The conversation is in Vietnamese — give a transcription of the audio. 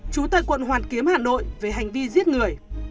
trú tại quận hoàn kiếm hà nội về hành vi giết người